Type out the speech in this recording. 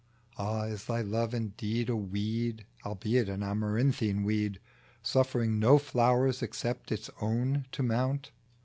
Ah ! is Thy love indeed A weed, albeit an amaranthine weed, Suffering no flowers except its own to mount